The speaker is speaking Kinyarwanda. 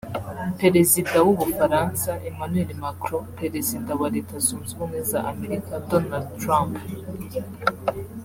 Perezida w’u Bufaransa Emmanuel Macron Perezida wa Leta Zunze Ubumwe za Amerika Donald Trump